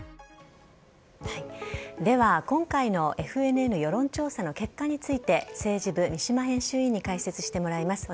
では、今回のＦＮＮ世論調査の結果について、政治部、三嶋編集委員に解説してもらいます。